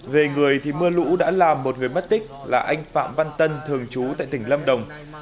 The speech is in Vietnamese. về người thì mưa lũ đã làm một người mất tích là anh phạm văn tân thường trú tại tỉnh lâm đồng